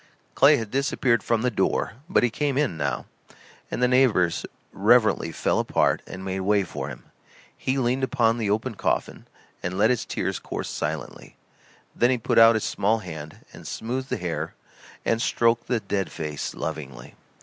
Clay had disappeared from the door; but he came in, now, and the neighbors reverently fell apart and made way for him. He leaned upon the open coffin and let his tears course silently. Then he put out his small hand and smoothed the hair and stroked the dead face lovingly.